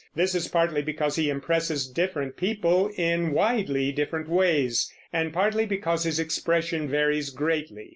This is partly because he impresses different people in widely different ways, and partly because his expression varies greatly.